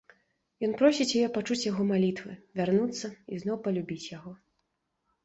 Ён просіць яе пачуць яго малітвы, вярнуцца і зноў палюбіць яго.